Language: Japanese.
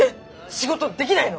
仕事できないの？